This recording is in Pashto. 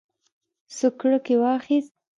سوکړک یې واخیست.